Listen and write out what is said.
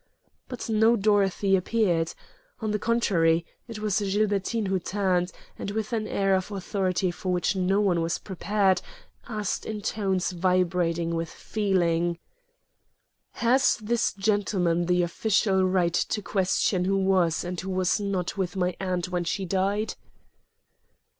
But no Dorothy appeared. On the contrary, it was Gilbertine who turned, and with an air of authority for which no one was prepared, asked in tones vibrating with feeling: "Has this gentleman the official right to question who was and who was not with my aunt when she died?"